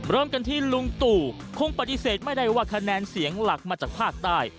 เริ่มกันที่ลุงตู่คงปฏิเสธไม่ได้ว่าคะแนนเสียงหลักมาจากภาคใต้